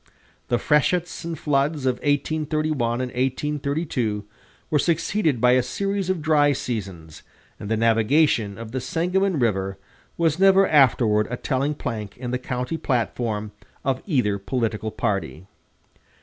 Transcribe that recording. The freshets and floods of 1831 and 1832 were succeeded by a series of dry seasons, and the navigation of the Sangamon River was never afterward a telling plank in the county platform of either political party.